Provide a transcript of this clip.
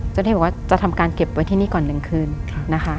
เจ้าที่บอกว่าจะทำการเก็บไว้ที่นี่ก่อน๑คืนนะคะ